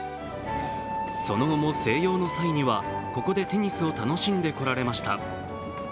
その後も静養の際にはここでテニスを楽しんでこられました。